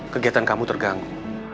kegiatan kamu terganggu